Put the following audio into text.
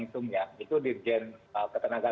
menghitungnya itu dirjen ketenaga